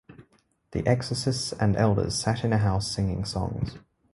The exorcists and elders sat in a house singing songs.